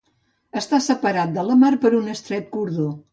Està separat de la mar per un estret cordó.